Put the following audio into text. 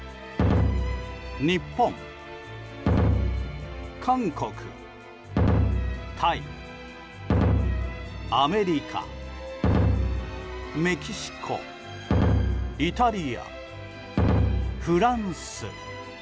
日本、韓国タイ、アメリカメキシコ、イタリアフランス。